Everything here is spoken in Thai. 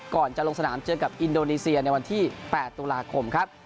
ก่อนจะลงสนามเจอกับอินโดนีเซียในวันที่๘ตุลาคมครับ